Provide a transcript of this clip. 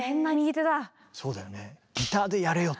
そうだよね。